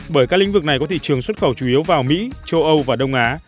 bởi các lĩnh vực này có thị trường xuất khẩu chủ yếu vào mỹ châu âu và đông á